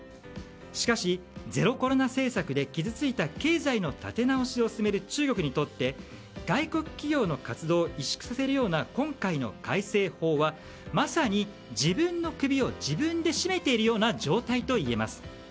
しかしゼロコロナ政策で傷ついた経済の立て直しを進める中国にとって、外国企業の活動を委縮させるような今回の改正法はまさに自分の首を自分で絞めているような状態といえます。